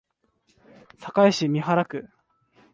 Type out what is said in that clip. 堺市美原区